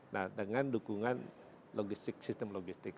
nah dengan dukungan logistik sistem logistik